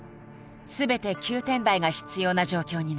すべて９点台が必要な状況になった。